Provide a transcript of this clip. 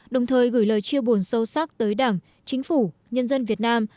đồng thời gửi lời chia buồn sâu sắc tới đảng chính phủ nhân dân việt nam